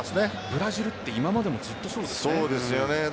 ブラジルは今までも、ずっとそうですよね。